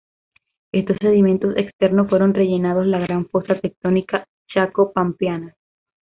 Estos sedimentos externos fueron rellenando la gran fosa tectónica chaco-pampeana.